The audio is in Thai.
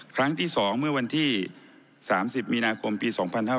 ครั้งที่๒เมื่อวันที่๓๐มีนาคมปี๒๕๕๙